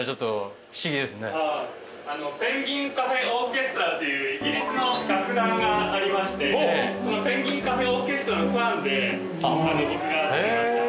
ペンギン・カフェ・オーケストラっていうイギリスの楽団がありましてそのペンギン・カフェ・オーケストラのファンで僕が付けました。